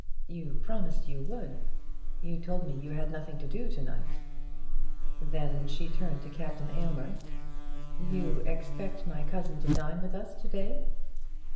"You promised you would. You told me you had nothing to do to night." Then she turned to Captain Aylmer. "You expect my cousin to dine with us to day?"